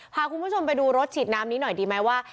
พาคุณผู้ชมไปดูรถฉีดน้ำนี้หน่อยดีไหมว่า